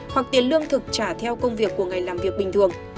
hoặc tiền lương thực trả theo công việc của ngày làm việc bình thường